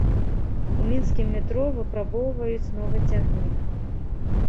У мінскім метро выпрабоўваюць новы цягнік.